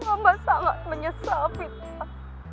mama sangat menyesal vita